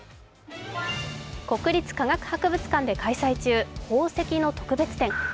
国立科学博物館で開催中、宝石の特別展。